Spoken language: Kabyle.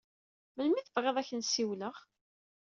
Melmi i tebɣiḍ ad ak-n-siwleɣ?